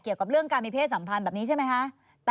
เกี่ยวกับเรื่องการมีเพศสัมพันธ์แบบนี้ใช่ไหมคะ